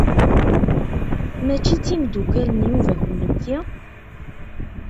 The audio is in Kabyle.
Mačči d timeddukal n Yuba kennemti?